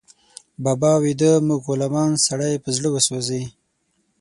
بابا ويده، موږ غلامان، سړی په زړه وسوځي